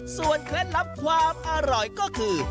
เคล็ดลับความอร่อยก็คือ